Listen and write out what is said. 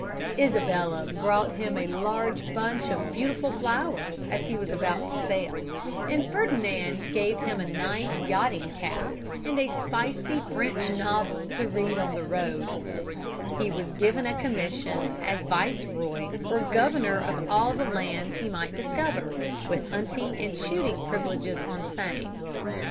Isabella brought him a large bunch of beautiful flowers as he was about to sail, and Ferdinand gave him a nice yachting cap and a spicy French novel to read on the road. He was given a commission as viceroy or governor of all the lands he might discover, with hunting and shooting privileges on same. [Illustration: COLUMBUS'S STEAMER CHAIR.